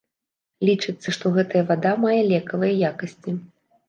Лічыцца, што гэтая вада мае лекавыя якасці.